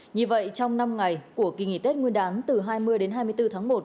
như vậy trong năm ngày của kỳ nghỉ tết nguyên đán từ hai mươi đến hai mươi bốn tháng một